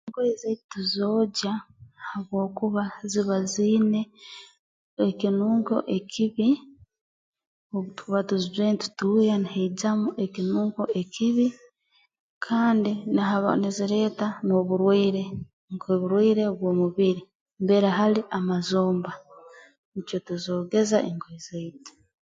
Engoye zaitu tuzoogya habwokuba ziba ziine ekinunko ekibi obu tuba tuzijwaire ntutuuya nihaijamu ekinunko ekibi kandi nihaba nizireeta n'oburwaire nk'oburwaire obw'omubiri mbere hali amazomba nikyo tuzoogeza engoye zaitu